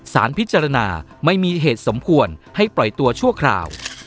สารพิจารณาไม่มีเหตุสมควรให้ปล่อยตัวชั่วคราว